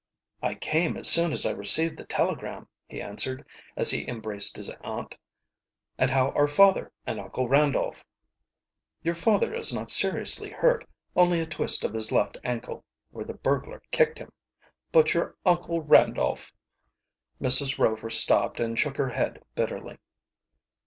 "I came as soon as I received the telegram," he answered, as he embraced his aunt. "And how are father and Uncle Randolph?" "Your father is not seriously hurt, only a twist of his left ankle, where the burglar kicked him. But your Uncle Randolph " Mrs. Rover stopped and shook her head bitterly.